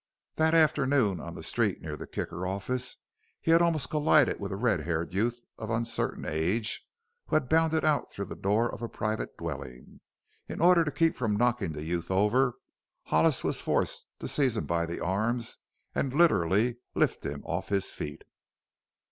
That afternoon on the street near the Kicker office he had almost collided with a red haired youth of uncertain age who had bounded out through the door of a private dwelling. In order to keep from knocking the youth over Hollis was forced to seize him by the arms and literally lift him off his feet.